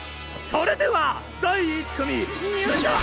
それでは第１組入場ォ！